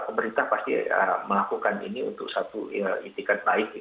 pemerintah pasti melakukan ini untuk satu itikat baik